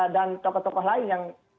dan tokoh tokoh lain yang